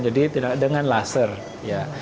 jadi dengan laser ya